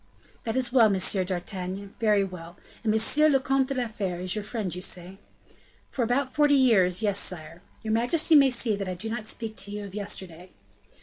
"That is well, M. d'Artagnan, very well! And M. le Comte de la Fere is your friend, say you?" "For about forty years; yes, sire. Your majesty may see that I do not speak to you of yesterday."